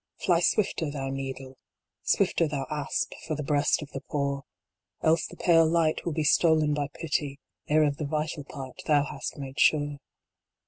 Fly swifter, thou needle Swifter, thou asp for the breast of the poor ! Else the pale light will be stolen by Pity, Ere of the vital part thou hast made sure.